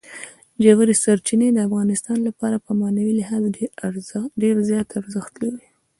ژورې سرچینې د افغانانو لپاره په معنوي لحاظ ډېر زیات ارزښت لري.